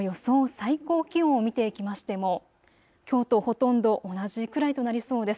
最高気温を見ていきましても、きょうとほとんど同じくらいとなりそうです。